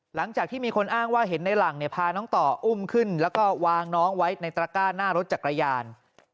หลังจากที่มีคนอ้างว่าเห็นในหลังเนี่ยพาน้องต่ออุ้มขึ้นแล้วก็วางน้องไว้ในตระก้าหน้ารถจักรยาน